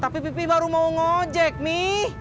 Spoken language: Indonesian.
tapi pipi baru mau ngejek mi